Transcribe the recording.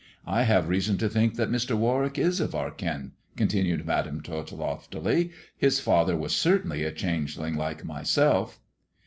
I have reason to think that Mr. Warwick is of our kin," continued Madam Tot loftily. " His father was certainly a changeling like myself."